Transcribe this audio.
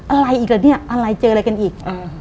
อะไรอีกอ่ะเนี่ยอะไรเจออะไรกันอีก